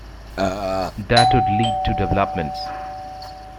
That would lead to developments.